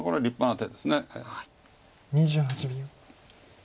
２８秒。